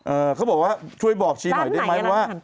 เขาบอกว่าช่วยบอกชีหน่อยได้ไหมว่า